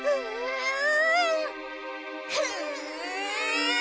うん。